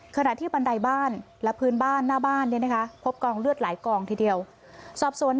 ขณะที่บันไดบ้านและพื้นบ้านหน้าบ้านพบกองเลือดหลายกองทีเดียว